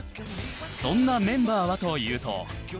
そんなメンバーはというと